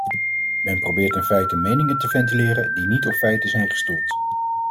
Men probeert in feite meningen te ventileren, die niet op feiten zijn gestoeld.